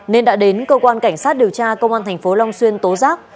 nên đã đến cơ quan cảnh sát điều tra công an thành phố long xuyên tố giác